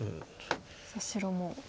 さあ白も。